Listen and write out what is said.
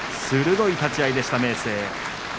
鋭い立ち合いでした。